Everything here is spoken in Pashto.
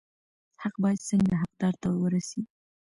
حق باید څنګه حقدار ته ورسي؟